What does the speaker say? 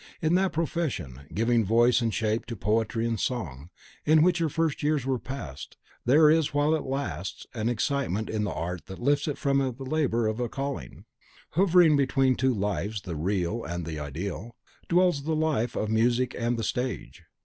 In that profession, giving voice and shape to poetry and song, in which her first years were passed, there is, while it lasts, an excitement in the art that lifts it from the labour of a calling. Hovering between two lives, the Real and Ideal, dwells the life of music and the stage.